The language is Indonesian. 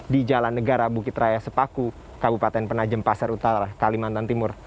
di jalan negara bukit raya sepaku kabupaten penajem pasar utara kalimantan timur